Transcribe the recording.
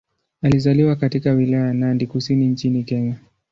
Alizaliwa katika Wilaya ya Nandi Kusini nchini Kenya.